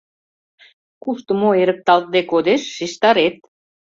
Кушто мо эрыкталтде кодеш — шижтарет.